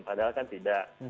padahal kan tidak